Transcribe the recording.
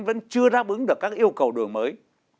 vẫn chưa đáp ứng được các yêu cầu đổi mới